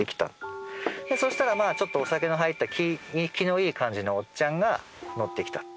そしたらお酒の入った気のいい感じのおっちゃんが乗ってきた。